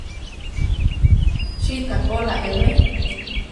Chí takóla eme.